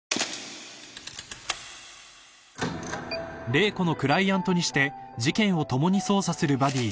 ［麗子のクライアントにして事件を共に捜査するバディ］